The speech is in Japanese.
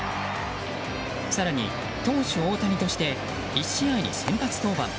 更に投手・大谷として１試合に先発登板。